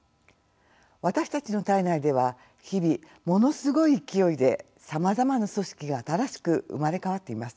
私たちの体内では日々ものすごい勢いでさまざまな組織が新しく生まれ変わっています。